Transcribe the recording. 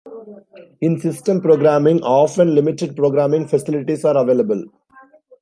In system programming, often limited programming facilities are available.